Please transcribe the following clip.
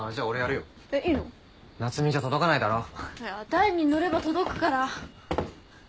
台に乗れば届くから。